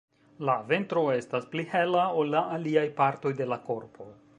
La ventro estas pli hela ol la aliaj partoj de la korpo.